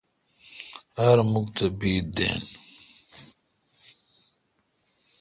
ار مک تھ بید دین۔